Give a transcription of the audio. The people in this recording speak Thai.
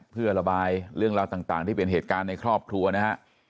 เพื่อระบายเรื่องราวต่างที่เป็นเหตุการณ์ในครอบครัวนะฮะ